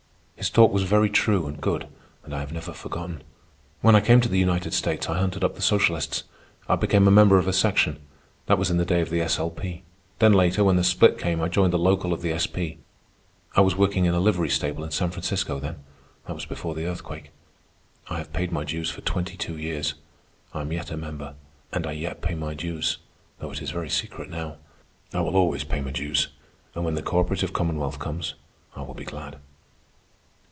His talk was very true and good, and I have never forgotten. When I came to the United States I hunted up the socialists. I became a member of a section—that was in the day of the S. L. P. Then later, when the split came, I joined the local of the S. P. I was working in a livery stable in San Francisco then. That was before the Earthquake. I have paid my dues for twenty two years. I am yet a member, and I yet pay my dues, though it is very secret now. I will always pay my dues, and when the cooperative commonwealth comes, I will be glad."